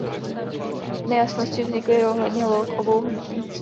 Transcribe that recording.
Nejasnosti vznikly i ohledně log obou hnutí.